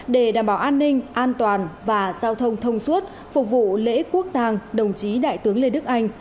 để đảm bảo an ninh an toàn và giao thông thông suốt phục vụ lễ quốc tàng đồng chí đại tướng lê đức anh